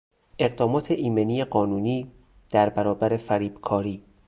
اقدامات ایمنی قانونی در برابر فریبکاری